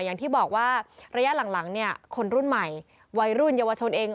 อย่างที่บอกว่าระยะหลังเนี่ยคนรุ่นใหม่วัยรุ่นเยาวชนเอง